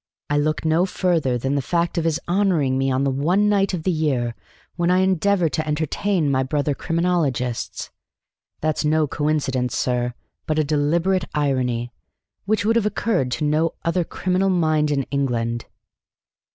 I look no further than the fact of his honoring me on the one night of the year when I endeavor to entertain my brother Criminologists. That's no coincidence, sir, but a deliberate irony, which would have occurred to no other criminal mind in England."